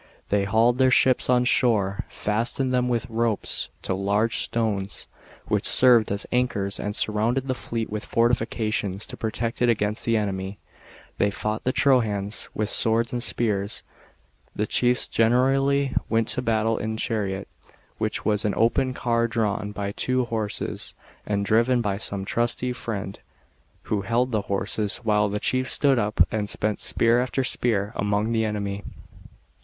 They hauled their ships on shor^, fastened them with ropes to large stones, which served as anchors, and surrounded the fleet with fortifications to protect it against the enemy. They fought the Trojans, with swords and spears. The chiefs generally, went to battle in a chariot, which was an open car drawn by two horses and driven by some trusty friend, who held the horses, while the chief stood up, and sent spear after spear, among the enemy.